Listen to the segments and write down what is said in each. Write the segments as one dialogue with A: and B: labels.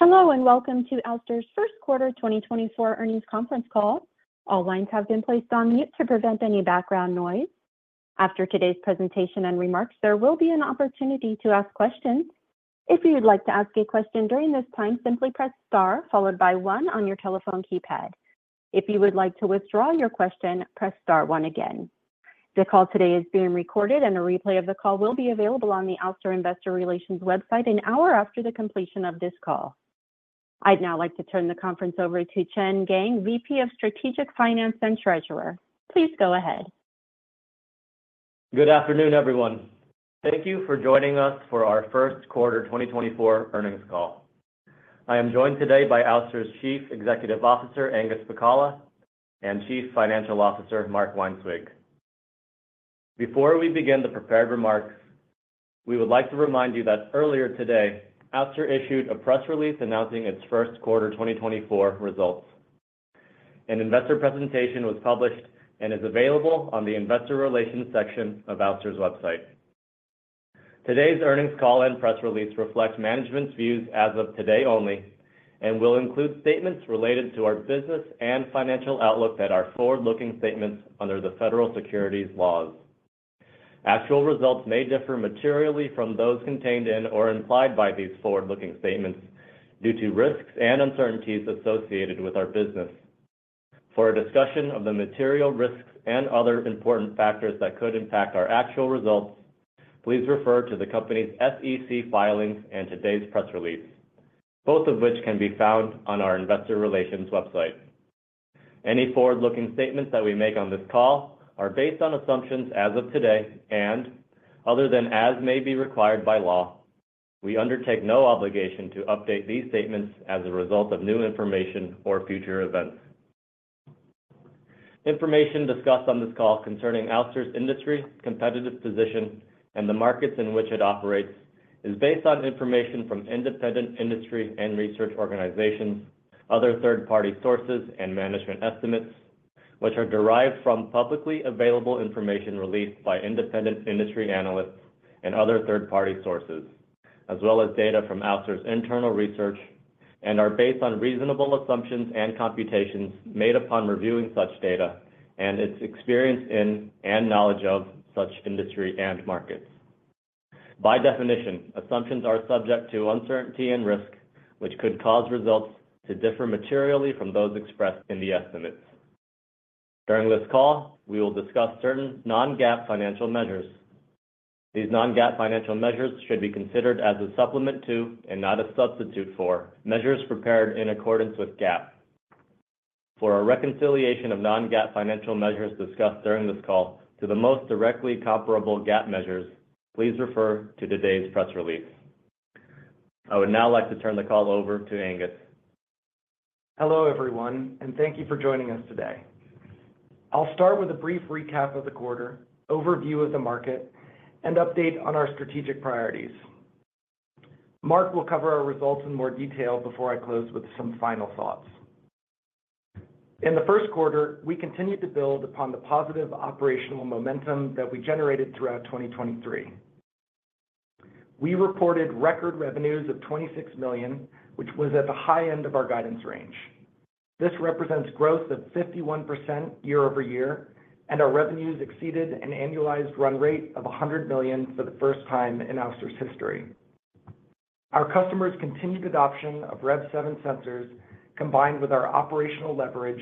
A: Hello and welcome to Ouster's first quarter 2024 earnings conference call. All lines have been placed on mute to prevent any background noise. After today's presentation and remarks, there will be an opportunity to ask questions. If you would like to ask a question during this time, simply press * followed by one on your telephone keypad. If you would like to withdraw your question, press * 1 again. The call today is being recorded, and a replay of the call will be available on the Ouster Investor Relations website an hour after the completion of this call. I'd now like to turn the conference over to Chen Geng, VP of Strategic Finance and Treasurer. Please go ahead.
B: Good afternoon, everyone. Thank you for joining us for our first quarter 2024 earnings call. I am joined today by Ouster's Chief Executive Officer Angus Pacala and Chief Financial Officer Mark Weinswig. Before we begin the prepared remarks, we would like to remind you that earlier today, Ouster issued a press release announcing its first quarter 2024 results. An investor presentation was published and is available on the Investor Relations section of Ouster's website. Today's earnings call and press release reflect management's views as of today only and will include statements related to our business and financial outlook that are forward-looking statements under the federal securities laws. Actual results may differ materially from those contained in or implied by these forward-looking statements due to risks and uncertainties associated with our business. For a discussion of the material risks and other important factors that could impact our actual results, please refer to the company's SEC filings and today's press release, both of which can be found on our Investor Relations website. Any forward-looking statements that we make on this call are based on assumptions as of today and, other than as may be required by law, we undertake no obligation to update these statements as a result of new information or future events. Information discussed on this call concerning Ouster's industry, competitive position, and the markets in which it operates is based on information from independent industry and research organizations, other third-party sources, and management estimates, which are derived from publicly available information released by independent industry analysts and other third-party sources, as well as data from Ouster's internal research and are based on reasonable assumptions and computations made upon reviewing such data and its experience in and knowledge of such industry and markets. By definition, assumptions are subject to uncertainty and risk, which could cause results to differ materially from those expressed in the estimates. During this call, we will discuss certain non-GAAP financial measures. These non-GAAP financial measures should be considered as a supplement to and not a substitute for measures prepared in accordance with GAAP. For a reconciliation of non-GAAP financial measures discussed during this call to the most directly comparable GAAP measures, please refer to today's press release. I would now like to turn the call over to Angus.
C: Hello, everyone, and thank you for joining us today. I'll start with a brief recap of the quarter, overview of the market, and update on our strategic priorities. Mark will cover our results in more detail before I close with some final thoughts. In the first quarter, we continued to build upon the positive operational momentum that we generated throughout 2023. We reported record revenues of $26 million, which was at the high end of our guidance range. This represents growth of 51% year-over-year, and our revenues exceeded an annualized run rate of $100 million for the first time in Ouster's history. Our customers' continued adoption of REV7 sensors, combined with our operational leverage,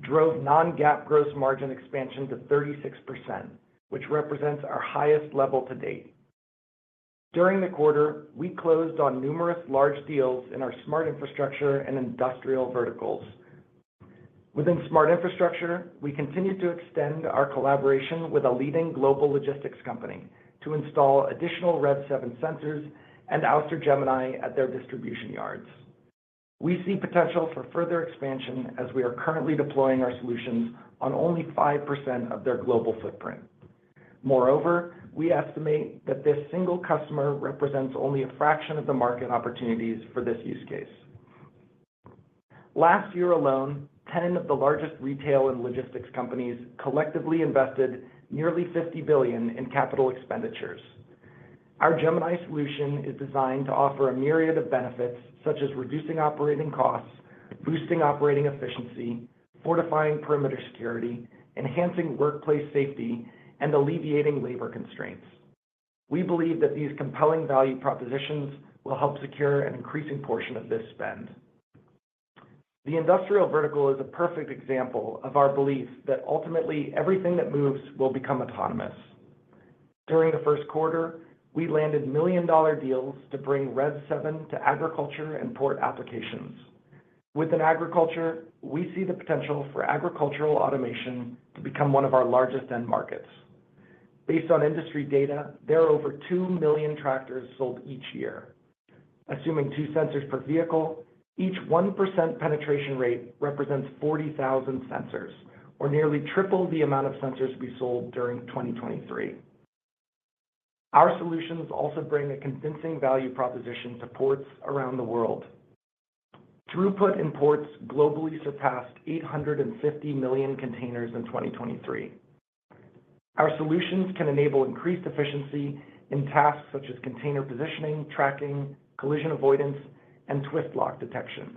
C: drove non-GAAP gross margin expansion to 36%, which represents our highest level to date. During the quarter, we closed on numerous large deals in our smart infrastructure and industrial verticals. Within smart infrastructure, we continued to extend our collaboration with a leading global logistics company to install additional REV7 sensors and Ouster Gemini at their distribution yards. We see potential for further expansion as we are currently deploying our solutions on only 5% of their global footprint. Moreover, we estimate that this single customer represents only a fraction of the market opportunities for this use case. Last year alone, 10 of the largest retail and logistics companies collectively invested nearly $50 billion in capital expenditures. Our Gemini solution is designed to offer a myriad of benefits such as reducing operating costs, boosting operating efficiency, fortifying perimeter security, enhancing workplace safety, and alleviating labor constraints. We believe that these compelling value propositions will help secure an increasing portion of this spend. The industrial vertical is a perfect example of our belief that ultimately everything that moves will become autonomous. During the first quarter, we landed million-dollar deals to bring REV7 to agriculture and port applications. Within agriculture, we see the potential for agricultural automation to become one of our largest end markets. Based on industry data, there are over two million tractors sold each year. Assuming two sensors per vehicle, each 1% penetration rate represents 40,000 sensors, or nearly triple the amount of sensors we sold during 2023. Our solutions also bring a convincing value proposition to ports around the world. Throughput in ports globally surpassed 850 million containers in 2023. Our solutions can enable increased efficiency in tasks such as container positioning, tracking, collision avoidance, and twist lock detection.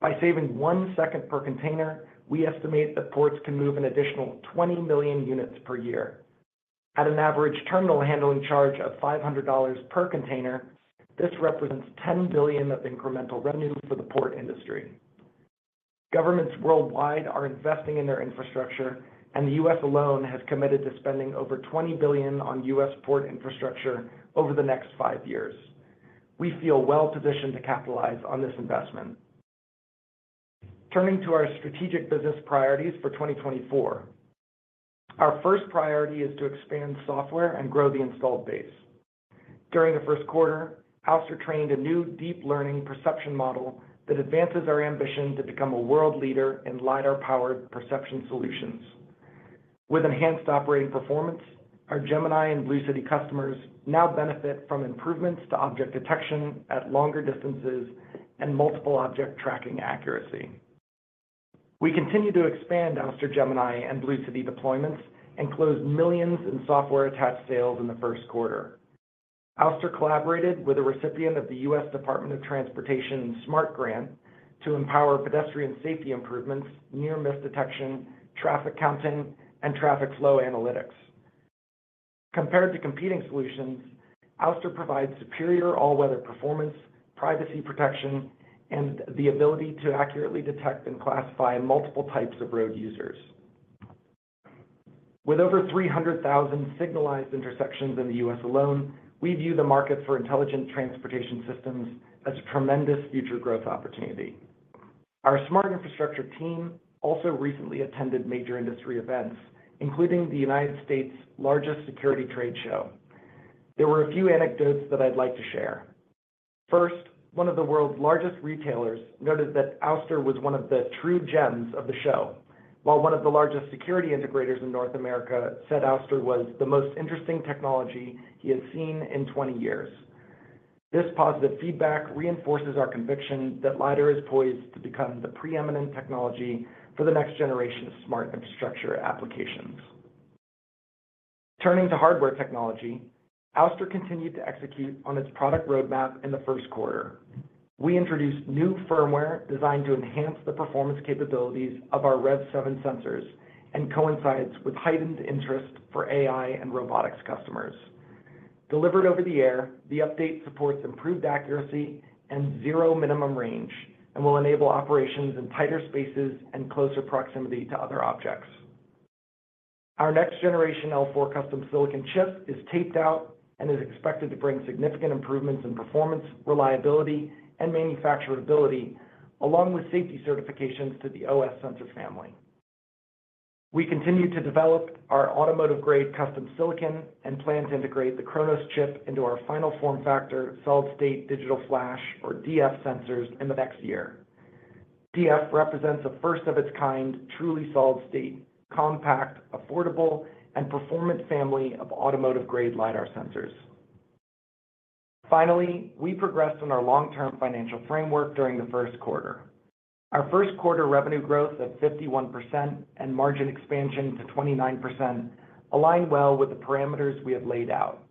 C: By saving one second per container, we estimate that ports can move an additional 20 million units per year. At an average terminal handling charge of $500 per container, this represents $10 billion of incremental revenue for the port industry. Governments worldwide are investing in their infrastructure, and the U.S. alone has committed to spending over $20 billion on U.S. port infrastructure over the next 5 years. We feel well positioned to capitalize on this investment. Turning to our strategic business priorities for 2024. Our first priority is to expand software and grow the installed base. During the first quarter, Ouster trained a new deep learning perception model that advances our ambition to become a world leader in Lidar-powered perception solutions. With enhanced operating performance, our Gemini and BlueCity customers now benefit from improvements to object detection at longer distances and multiple object tracking accuracy. We continue to expand Ouster Gemini and BlueCity deployments and closed $ millions in software-attached sales in the first quarter. Ouster collaborated with a recipient of the U.S. Department of Transportation SMART grant to empower pedestrian safety improvements, near-miss detection, traffic counting, and traffic flow analytics. Compared to competing solutions, Ouster provides superior all-weather performance, privacy protection, and the ability to accurately detect and classify multiple types of road users. With over 300,000 signalized intersections in the U.S. alone, we view the market for intelligent transportation systems as a tremendous future growth opportunity. Our smart infrastructure team also recently attended major industry events, including the United States' largest security trade show. There were a few anecdotes that I'd like to share. First, one of the world's largest retailers noted that Ouster was one of the true gems of the show, while one of the largest security integrators in North America said Ouster was "the most interesting technology he has seen in 20 years." This positive feedback reinforces our conviction that Lidar is poised to become the preeminent technology for the next generation of smart infrastructure applications. Turning to hardware technology, Ouster continued to execute on its product roadmap in the first quarter. We introduced new firmware designed to enhance the performance capabilities of our REV7 sensors and coincides with heightened interest for AI and robotics customers. Delivered over the air, the update supports improved accuracy and zero minimum range and will enable operations in tighter spaces and closer proximity to other objects. Our next generation L4 custom silicon chip is taped out and is expected to bring significant improvements in performance, reliability, and manufacturability, along with safety certifications to the OS sensor family. We continue to develop our automotive-grade custom silicon and plan to integrate the Chronos chip into our final form factor solid-state digital flash, or DF, sensors in the next year. DF represents a first of its kind, truly solid-state, compact, affordable, and performant family of automotive-grade lidar sensors. Finally, we progressed on our long-term financial framework during the first quarter. Our first quarter revenue growth of 51% and margin expansion to 29% align well with the parameters we have laid out.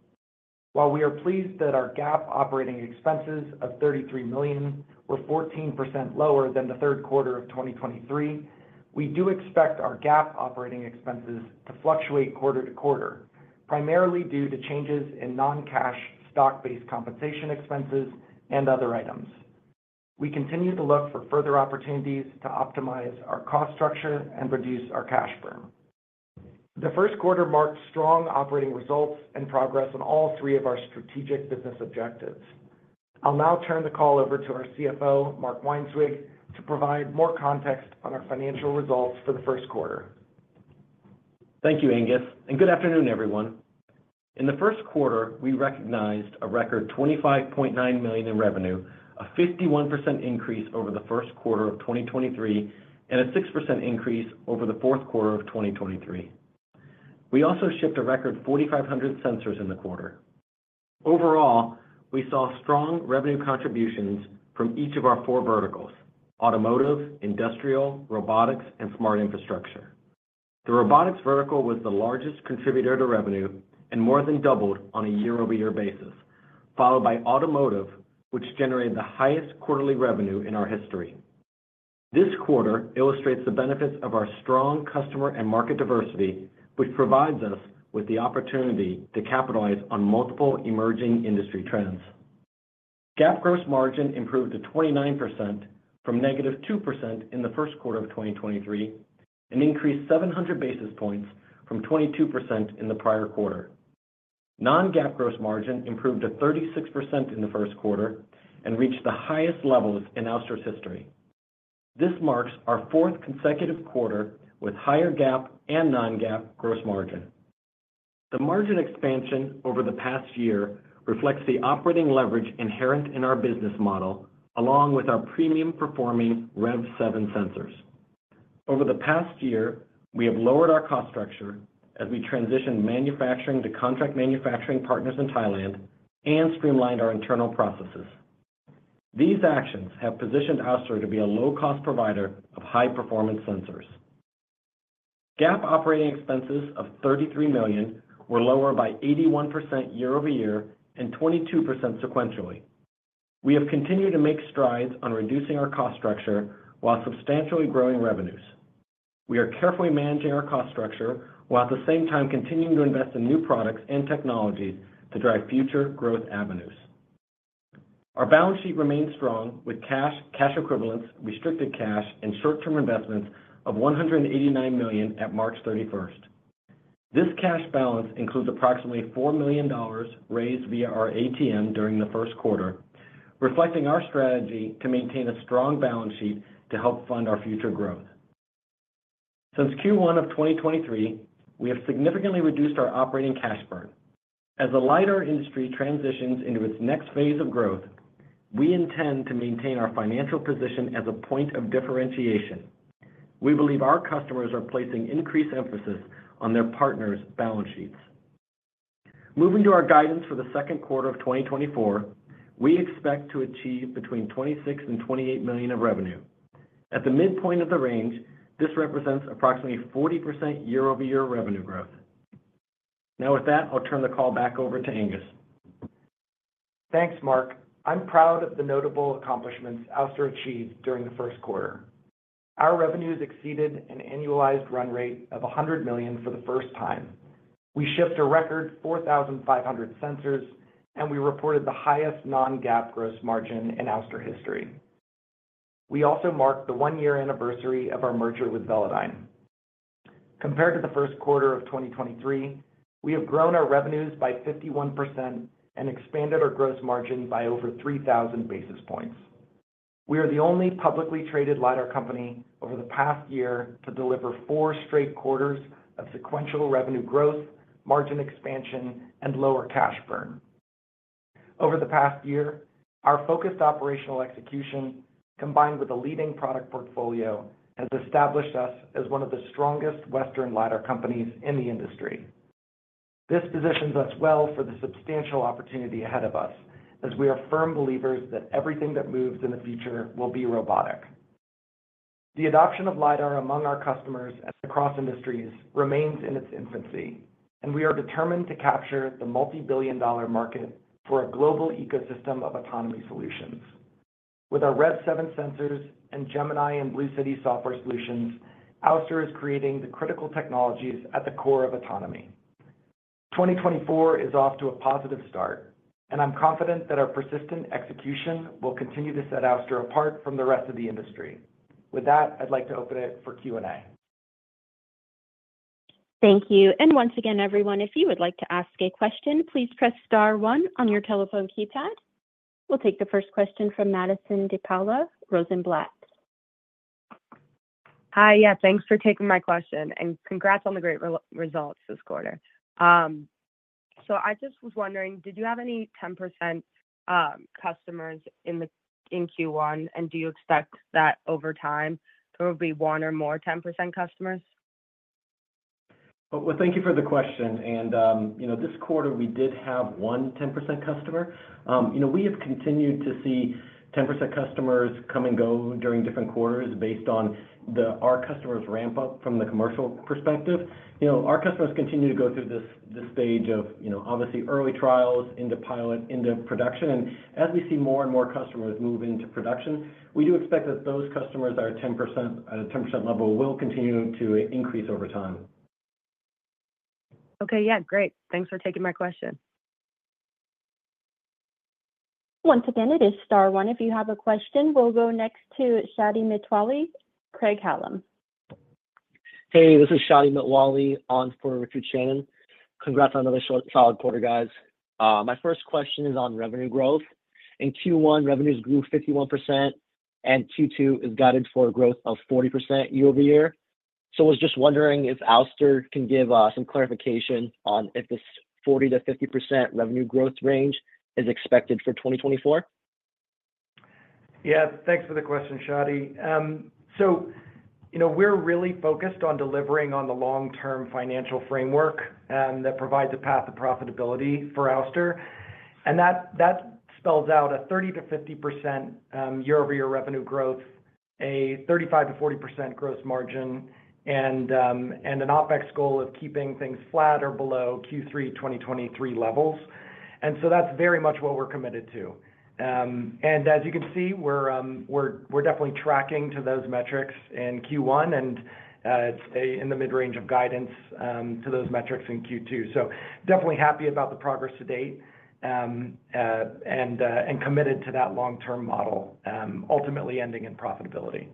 C: While we are pleased that our GAAP operating expenses of $33 million were 14% lower than the third quarter of 2023, we do expect our GAAP operating expenses to fluctuate quarter to quarter, primarily due to changes in non-cash stock-based compensation expenses and other items. We continue to look for further opportunities to optimize our cost structure and reduce our cash burn. The first quarter marked strong operating results and progress on all three of our strategic business objectives. I'll now turn the call over to our CFO, Mark Weinswig, to provide more context on our financial results for the first quarter.
D: Thank you, Angus, and good afternoon, everyone. In the first quarter, we recognized a record $25.9 million in revenue, a 51% increase over the first quarter of 2023, and a 6% increase over the fourth quarter of 2023. We also shipped a record 4,500 sensors in the quarter. Overall, we saw strong revenue contributions from each of our four verticals: automotive, industrial, robotics, and smart infrastructure. The robotics vertical was the largest contributor to revenue and more than doubled on a year-over-year basis, followed by automotive, which generated the highest quarterly revenue in our history. This quarter illustrates the benefits of our strong customer and market diversity, which provides us with the opportunity to capitalize on multiple emerging industry trends. GAAP gross margin improved to 29% from -2% in the first quarter of 2023 and increased 700 basis points from 22% in the prior quarter. Non-GAAP gross margin improved to 36% in the first quarter and reached the highest levels in Ouster's history. This marks our fourth consecutive quarter with higher GAAP and non-GAAP gross margin. The margin expansion over the past year reflects the operating leverage inherent in our business model along with our premium performing REV7 sensors. Over the past year, we have lowered our cost structure as we transitioned manufacturing to contract manufacturing partners in Thailand and streamlined our internal processes. These actions have positioned Ouster to be a low-cost provider of high-performance sensors. GAAP operating expenses of $33 million were lower by 81% year-over-year and 22% sequentially. We have continued to make strides on reducing our cost structure while substantially growing revenues. We are carefully managing our cost structure while at the same time continuing to invest in new products and technologies to drive future growth avenues. Our balance sheet remains strong with cash, cash equivalents, restricted cash, and short-term investments of $189 million at March 31st. This cash balance includes approximately $4 million raised via our ATM during the first quarter, reflecting our strategy to maintain a strong balance sheet to help fund our future growth. Since Q1 of 2023, we have significantly reduced our operating cash burn. As the lidar industry transitions into its next phase of growth, we intend to maintain our financial position as a point of differentiation. We believe our customers are placing increased emphasis on their partners' balance sheets. Moving to our guidance for the second quarter of 2024, we expect to achieve between $26 million and $28 million of revenue. At the midpoint of the range, this represents approximately 40% year-over-year revenue growth. Now, with that, I'll turn the call back over to Angus.
C: Thanks, Mark. I'm proud of the notable accomplishments Ouster achieved during the first quarter. Our revenues exceeded an annualized run rate of $100 million for the first time. We shipped a record 4,500 sensors, and we reported the highest non-GAAP gross margin in Ouster history. We also marked the one-year anniversary of our merger with Velodyne. Compared to the first quarter of 2023, we have grown our revenues by 51% and expanded our gross margin by over 3,000 basis points. We are the only publicly traded LiDAR company over the past year to deliver four straight quarters of sequential revenue growth, margin expansion, and lower cash burn. Over the past year, our focused operational execution, combined with a leading product portfolio, has established us as one of the strongest Western LiDAR companies in the industry. This positions us well for the substantial opportunity ahead of us as we are firm believers that everything that moves in the future will be robotic. The adoption of LiDAR among our customers and across industries remains in its infancy, and we are determined to capture the multi-billion-dollar market for a global ecosystem of autonomy solutions. With our Rev7 sensors and Gemini and BlueCity software solutions, Ouster is creating the critical technologies at the core of autonomy. 2024 is off to a positive start, and I'm confident that our persistent execution will continue to set Ouster apart from the rest of the industry. With that, I'd like to open it for Q&A.
A: Thank you. Once again, everyone, if you would like to ask a question, please press star one on your telephone keypad. We'll take the first question from Madison DePaula, Rosenblatt.
E: Hi. Yeah, thanks for taking my question, and congrats on the great results this quarter. So I just was wondering, did you have any 10% customers in Q1, and do you expect that over time, there will be one or more 10% customers?
D: Well, thank you for the question. This quarter, we did have 1 10% customer. We have continued to see 10% customers come and go during different quarters based on our customers' ramp-up from the commercial perspective. Our customers continue to go through this stage of, obviously, early trials, into pilot, into production. As we see more and more customers move into production, we do expect that those customers at a 10% level will continue to increase over time.
E: Okay. Yeah. Great. Thanks for taking my question.
A: Once again, it is star one. If you have a question, we'll go next to Shadi Mitwalli, Craig Hallum.
F: Hey, this is Shadi Mitwalli on for Richard Shannon. Congrats on another solid quarter, guys. My first question is on revenue growth. In Q1, revenues grew 51%, and Q2 is guided for a growth of 40% year-over-year. So I was just wondering if Ouster can give some clarification on if this 40%-50% revenue growth range is expected for 2024.
D: Yeah. Thanks for the question, Shadi. So we're really focused on delivering on the long-term financial framework that provides a path to profitability for Ouster. And that spells out a 30%-50% year-over-year revenue growth, a 35%-40% gross margin, and an OpEx goal of keeping things flat or below Q3 2023 levels. And so that's very much what we're committed to. And as you can see, we're definitely tracking to those metrics in Q1, and it's in the mid-range of guidance to those metrics in Q2. So definitely happy about the progress to date and committed to that long-term model, ultimately ending in profitability.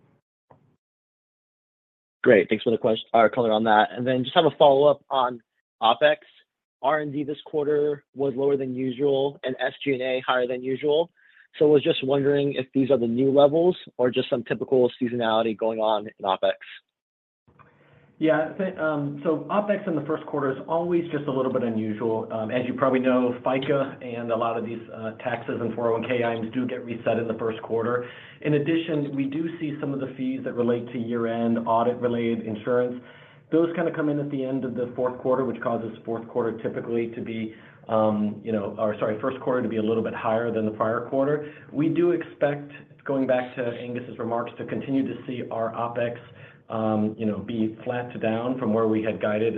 F: Great. Thanks for the color on that. And then just have a follow-up on OpEx. R&D this quarter was lower than usual and SG&A higher than usual. So I was just wondering if these are the new levels or just some typical seasonality going on in OpEx.
D: Yeah. So OpEx in the first quarter is always just a little bit unusual. As you probably know, FICA and a lot of these taxes and 401(k) items do get reset in the first quarter. In addition, we do see some of the fees that relate to year-end audit-related insurance. Those kind of come in at the end of the fourth quarter, which causes fourth quarter typically to be or sorry, first quarter to be a little bit higher than the prior quarter. We do expect, going back to Angus's remarks, to continue to see our OpEx be flat to down from where we had guided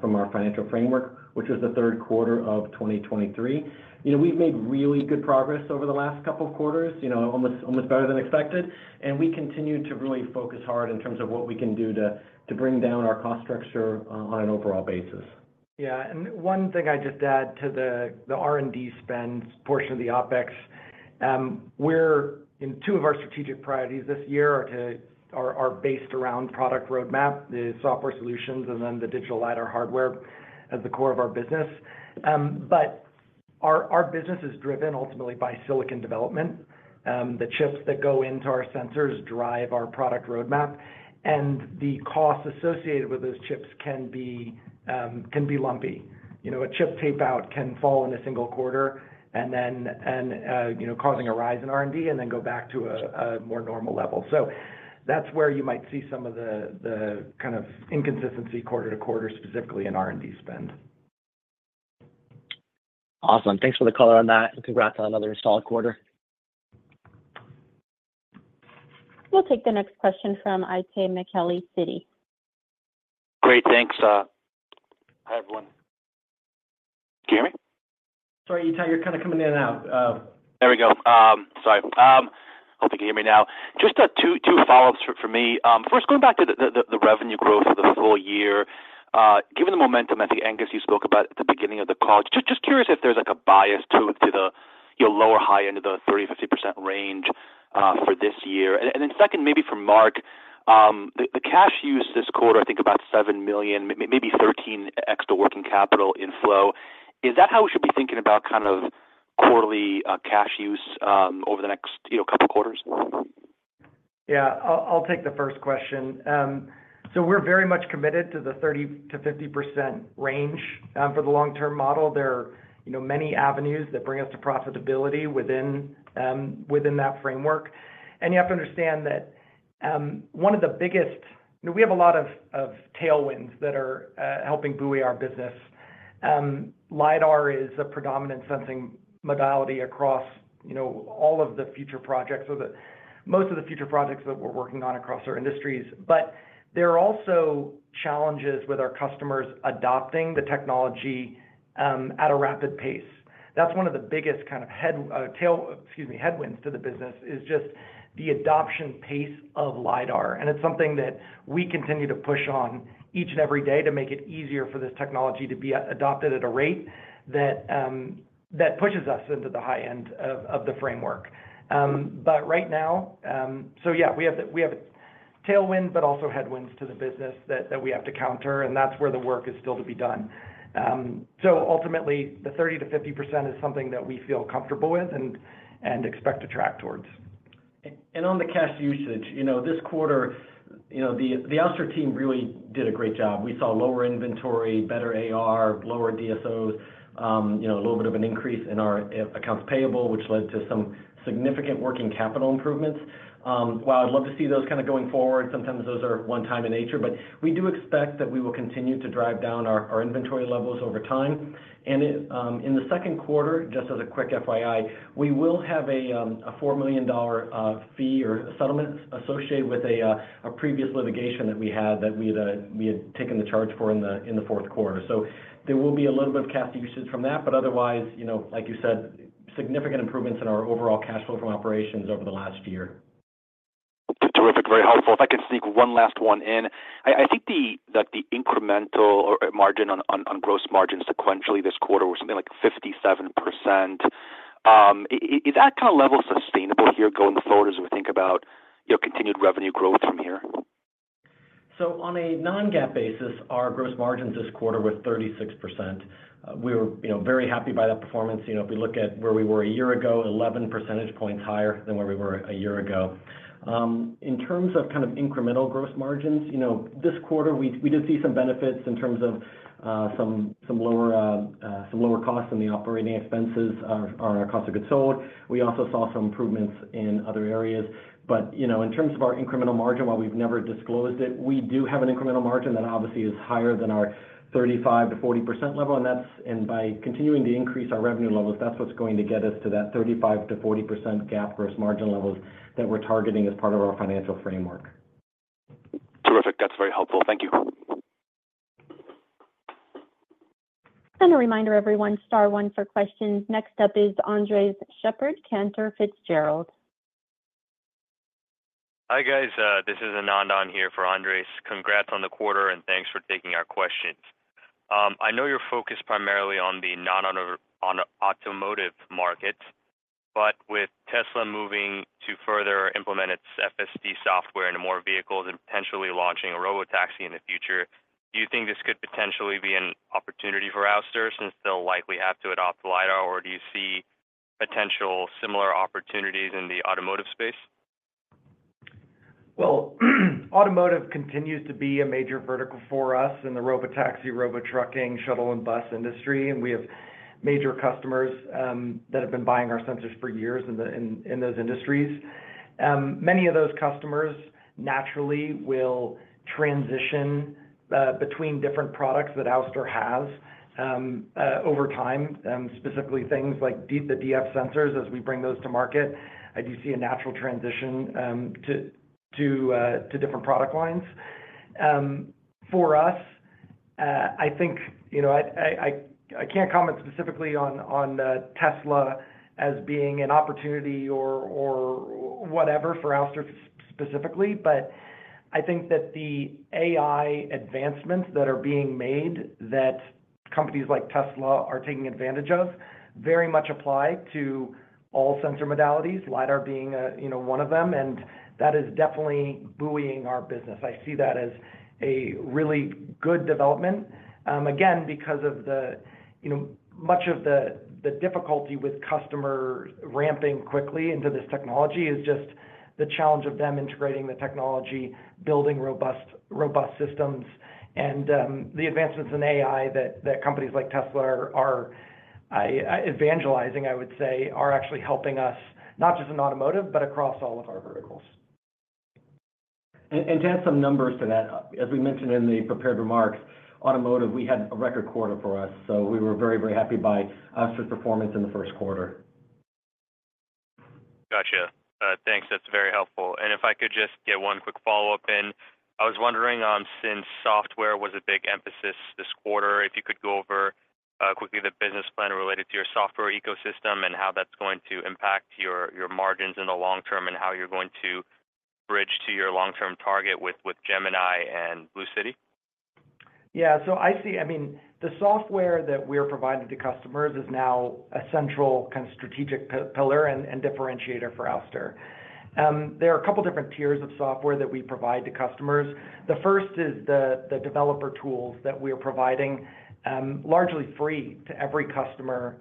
D: from our financial framework, which was the third quarter of 2023. We've made really good progress over the last couple of quarters, almost better than expected. We continue to really focus hard in terms of what we can do to bring down our cost structure on an overall basis.
C: Yeah. One thing I'd just add to the R&D spend portion of the OpEx, two of our strategic priorities this year are based around product roadmap, the software solutions, and then the digital lidar hardware as the core of our business. But our business is driven, ultimately, by silicon development. The chips that go into our sensors drive our product roadmap. And the cost associated with those chips can be lumpy. A chip tape-out can fall in a single quarter and cause a rise in R&D and then go back to a more normal level. So that's where you might see some of the kind of inconsistency quarter to quarter, specifically in R&D spend.
F: Awesome. Thanks for the color on that, and congrats on another solid quarter.
A: We'll take the next question from Itai Michaeli, Citi.
G: Great. Thanks. Hi, everyone. Can you hear me?
C: Sorry, you're kind of coming in and out.
G: There we go. Sorry. Hope you can hear me now. Just two follow-ups for me. First, going back to the revenue growth for the full year, given the momentum, I think, Angus, you spoke about at the beginning of the call, just curious if there's a bias to the lower high end of the 30%-50% range for this year. And then second, maybe for Mark, the cash use this quarter, I think about $seven million, maybe $13 million extra working capital inflow. Is that how we should be thinking about kind of quarterly cash use over the next couple of quarters?
C: Yeah. I'll take the first question. So we're very much committed to the 30%-50% range for the long-term model. There are many avenues that bring us to profitability within that framework. And you have to understand that one of the biggest we have a lot of tailwinds that are helping buoy our business. LiDAR is a predominant sensing modality across all of the future projects or most of the future projects that we're working on across our industries. But there are also challenges with our customers adopting the technology at a rapid pace. That's one of the biggest kind of headwinds to the business is just the adoption pace of LiDAR. It's something that we continue to push on each and every day to make it easier for this technology to be adopted at a rate that pushes us into the high end of the framework. But right now, so yeah, we have a tailwind but also headwinds to the business that we have to counter. And that's where the work is still to be done. So ultimately, the 30%-50% is something that we feel comfortable with and expect to track towards.
D: On the cash usage, this quarter, the Ouster team really did a great job. We saw lower inventory, better AR, lower DSOs, a little bit of an increase in our accounts payable, which led to some significant working capital improvements. While I'd love to see those kind of going forward, sometimes those are one-time in nature. We do expect that we will continue to drive down our inventory levels over time. In the second quarter, just as a quick FYI, we will have a $four million fee or settlement associated with a previous litigation that we had taken the charge for in the fourth quarter. There will be a little bit of cash usage from that. Otherwise, like you said, significant improvements in our overall cash flow from operations over the last year.
G: Terrific. Very helpful. If I can sneak one last one in, I think that the incremental margin on gross margin sequentially this quarter was something like 57%. Is that kind of level sustainable here going forward as we think about continued revenue growth from here?
D: So on a Non-GAAP basis, our gross margins this quarter were 36%. We were very happy by that performance. If we look at where we were a year ago, 11 percentage points higher than where we were a year ago. In terms of kind of incremental gross margins, this quarter, we did see some benefits in terms of some lower costs in the operating expenses or our cost of goods sold. We also saw some improvements in other areas. But in terms of our incremental margin, while we've never disclosed it, we do have an incremental margin that obviously is higher than our 35%-40% level. And by continuing to increase our revenue levels, that's what's going to get us to that 35%-40% GAAP gross margin levels that we're targeting as part of our financial framework.
G: Terrific. That's very helpful. Thank you.
A: A reminder, everyone, star one for questions. Next up is Andres Sheppard, Cantor Fitzgerald.
H: Hi, guys. This is Anand on here for Andreas. Congrats on the quarter, and thanks for taking our questions. I know you're focused primarily on the non-automotive markets. But with Tesla moving to further implement its FSD software into more vehicles and potentially launching a robotaxi in the future, do you think this could potentially be an opportunity for Ouster since they'll likely have to adopt LiDAR? Or do you see potential similar opportunities in the automotive space?
C: Well, automotive continues to be a major vertical for us in the robotaxi, robo trucking, shuttle, and bus industry. We have major customers that have been buying our sensors for years in those industries. Many of those customers, naturally, will transition between different products that Ouster has over time, specifically things like the DF sensors. As we bring those to market, I do see a natural transition to different product lines. For us, I think I can't comment specifically on Tesla as being an opportunity or whatever for Ouster specifically. I think that the AI advancements that are being made that companies like Tesla are taking advantage of very much apply to all sensor modalities, lidar being one of them. That is definitely buoying our business. I see that as a really good development, again, because of much of the difficulty with customers ramping quickly into this technology is just the challenge of them integrating the technology, building robust systems. And the advancements in AI that companies like Tesla are evangelizing, I would say, are actually helping us not just in automotive but across all of our verticals.
D: To add some numbers to that, as we mentioned in the prepared remarks, automotive, we had a record quarter for us. We were very, very happy by Ouster's performance in the first quarter.
I: Gotcha. Thanks. That's very helpful. And if I could just get one quick follow-up in, I was wondering, since software was a big emphasis this quarter, if you could go over quickly the business plan related to your software ecosystem and how that's going to impact your margins in the long term and how you're going to bridge to your long-term target with Gemini and Blue City?
C: Yeah. So I see, I mean, the software that we're providing to customers is now a central kind of strategic pillar and differentiator for Ouster. There are a couple of different tiers of software that we provide to customers. The first is the developer tools that we are providing largely free to every customer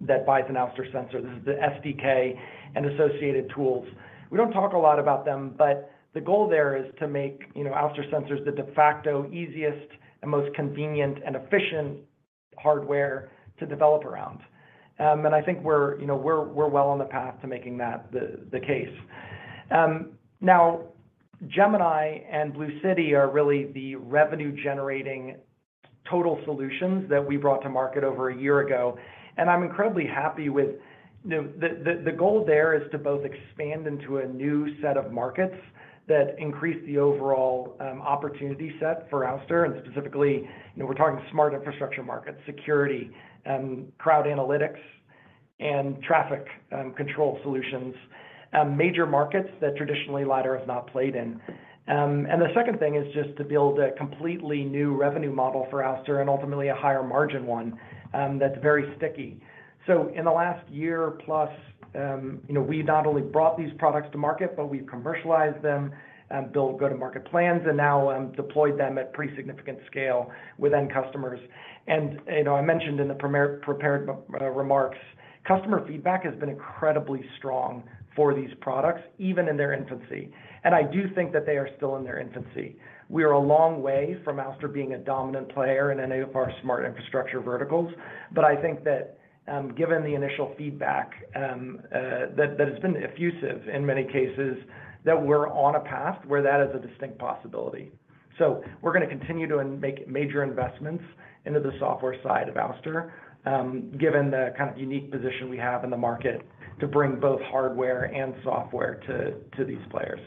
C: that buys an Ouster sensor. This is the SDK and associated tools. We don't talk a lot about them, but the goal there is to make Ouster sensors the de facto easiest and most convenient and efficient hardware to develop around. And I think we're well on the path to making that the case. Now, Gemini and BlueCity are really the revenue-generating total solutions that we brought to market over a year ago. I'm incredibly happy with the goal there is to both expand into a new set of markets that increase the overall opportunity set for Ouster. Specifically, we're talking smart infrastructure markets, security, crowd analytics, and traffic control solutions, major markets that traditionally Lidar has not played in. The second thing is just to build a completely new revenue model for Ouster and ultimately a higher margin one that's very sticky. So in the last year plus, we've not only brought these products to market, but we've commercialized them, built go-to-market plans, and now deployed them at pretty significant scale within customers. I mentioned in the prepared remarks, customer feedback has been incredibly strong for these products, even in their infancy. I do think that they are still in their infancy. We are a long way from Ouster being a dominant player in any of our smart infrastructure verticals. But I think that given the initial feedback that has been effusive in many cases, that we're on a path where that is a distinct possibility. So we're going to continue to make major investments into the software side of Ouster, given the kind of unique position we have in the market to bring both hardware and software to these players.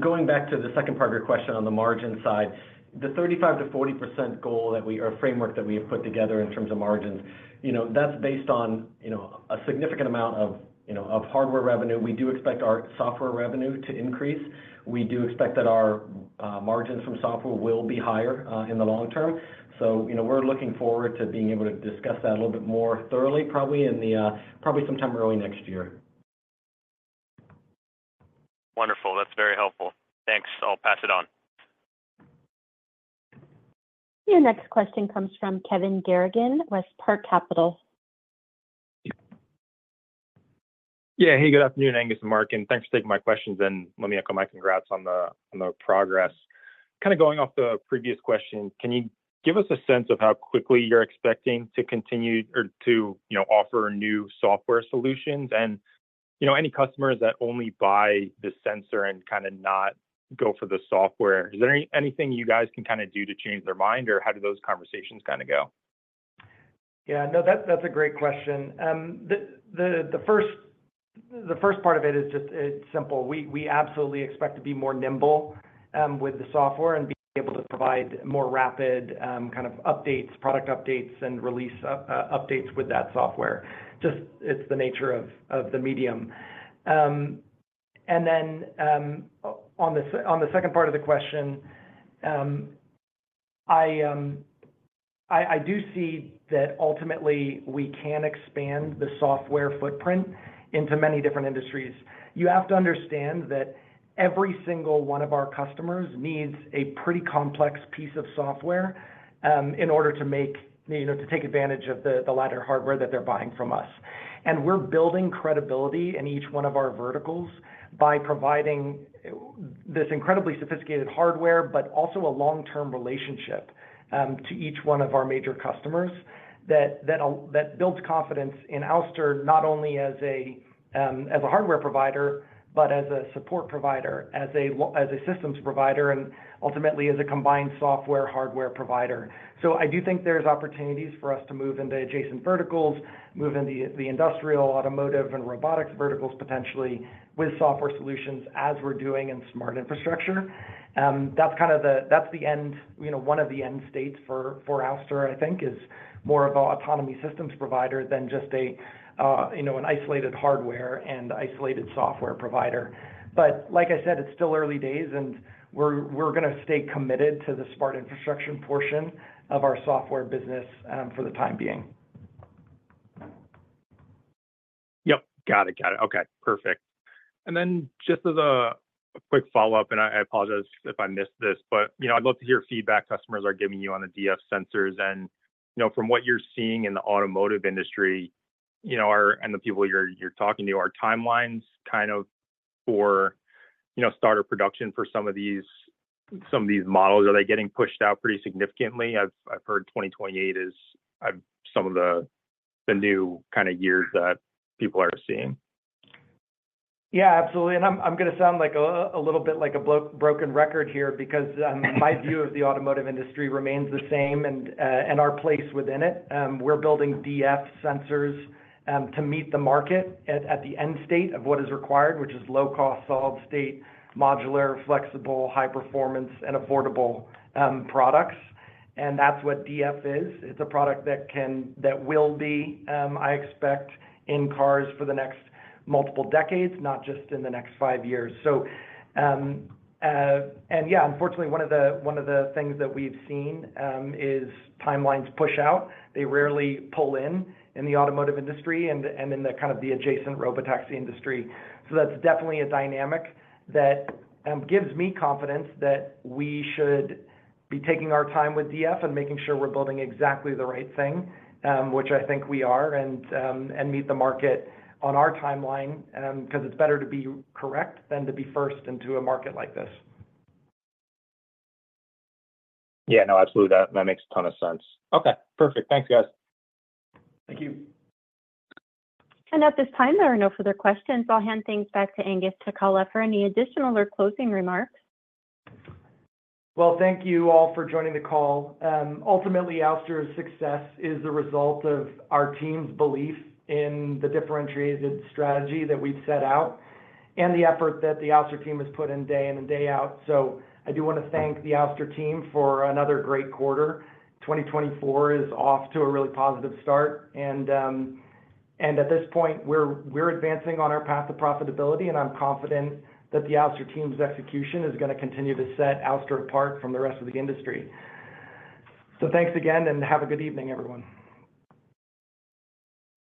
D: Going back to the second part of your question on the margin side, the 35%-40% goal or framework that we have put together in terms of margins, that's based on a significant amount of hardware revenue. We do expect our software revenue to increase. We do expect that our margins from software will be higher in the long term. So we're looking forward to being able to discuss that a little bit more thoroughly, probably sometime early next year.
I: Wonderful. That's very helpful. Thanks. I'll pass it on.
A: Your next question comes from Kevin Garrigan, West Park Capital.
J: Yeah. Hey, good afternoon, Angus and Mark. Thanks for taking my questions. Let me echo my congrats on the progress. Kind of going off the previous question, can you give us a sense of how quickly you're expecting to continue or to offer new software solutions? And any customers that only buy the sensor and kind of not go for the software, is there anything you guys can kind of do to change their mind, or how do those conversations kind of go?
C: Yeah. No, that's a great question. The first part of it is just simple. We absolutely expect to be more nimble with the software and be able to provide more rapid kind of updates, product updates, and release updates with that software. Just it's the nature of the medium. And then on the second part of the question, I do see that ultimately, we can expand the software footprint into many different industries. You have to understand that every single one of our customers needs a pretty complex piece of software in order to make to take advantage of the latter hardware that they're buying from us. We're building credibility in each one of our verticals by providing this incredibly sophisticated hardware but also a long-term relationship to each one of our major customers that builds confidence in Ouster not only as a hardware provider but as a support provider, as a systems provider, and ultimately as a combined software-hardware provider. I do think there's opportunities for us to move into adjacent verticals, move into the industrial, automotive, and robotics verticals potentially with software solutions as we're doing in smart infrastructure. That's kind of the end one of the end states for Ouster, I think, is more of an autonomy systems provider than just an isolated hardware and isolated software provider. Like I said, it's still early days, and we're going to stay committed to the smart infrastructure portion of our software business for the time being.
J: Yep. Got it. Got it. Okay. Perfect. And then just as a quick follow-up, and I apologize if I missed this, but I'd love to hear feedback customers are giving you on the DF sensors. And from what you're seeing in the automotive industry and the people you're talking to, are timelines kind of for starter production for some of these models? Are they getting pushed out pretty significantly? I've heard 2028 is some of the new kind of years that people are seeing.
C: Yeah, absolutely. And I'm going to sound a little bit like a broken record here because my view of the automotive industry remains the same and our place within it. We're building DF sensors to meet the market at the end state of what is required, which is low-cost, solid state, modular, flexible, high-performance, and affordable products. And that's what DF is. It's a product that will be, I expect, in cars for the next multiple decades, not just in the next five years. And yeah, unfortunately, one of the things that we've seen is timelines push out. They rarely pull in in the automotive industry and in kind of the adjacent robotaxi industry. So that's definitely a dynamic that gives me confidence that we should be taking our time with DF and making sure we're building exactly the right thing, which I think we are, and meet the market on our timeline because it's better to be correct than to be first into a market like this.
J: Yeah. No, absolutely. That makes a ton of sense. Okay. Perfect. Thanks, guys.
D: Thank you.
A: At this time, there are no further questions. I'll hand things back to Angus to call up for any additional or closing remarks.
C: Well, thank you all for joining the call. Ultimately, Ouster's success is the result of our team's belief in the differentiated strategy that we've set out and the effort that the Ouster team has put in day in and day out. I do want to thank the Ouster team for another great quarter. 2024 is off to a really positive start. At this point, we're advancing on our path to profitability, and I'm confident that the Ouster team's execution is going to continue to set Ouster apart from the rest of the industry. Thanks again, and have a good evening, everyone.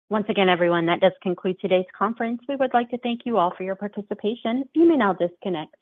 A: Once again, everyone, that does conclude today's conference. We would like to thank you all for your participation. You may now disconnect.